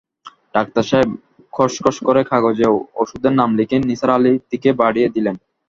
Doctor সাহেব খসখস করে কাগজে অষুধের নাম লিখে নিসার আলির দিকে বাড়িয়ে দিলেন।